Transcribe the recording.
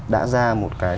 đã ra một cái